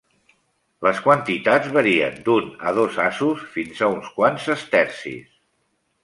Les quantitats varien d'un a dos asos fins a uns quants sestercis.